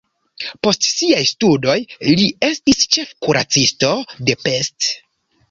Post siaj studoj li estis ĉefkuracisto de Pest.